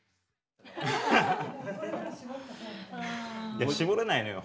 いや絞れないのよ。